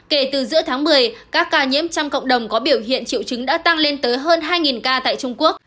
kể từ giữa tháng một mươi các ca nhiễm trong cộng đồng có biểu hiện triệu chứng đã tăng lên tới hơn hai ca tại trung quốc